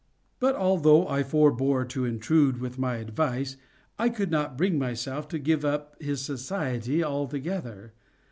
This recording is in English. But although I forebore to intrude with my advice, I could not bring myself to give up his society altogether.